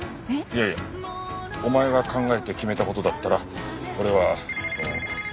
いやいやお前が考えて決めた事だったら俺は。